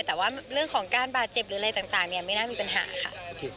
แต่ว่าเรื่องของการบาดเจ็บหรืออะไรต่างไม่น่ามีปัญหาค่ะ